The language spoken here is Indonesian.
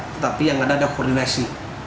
tetapi yang ada adalah koordinasi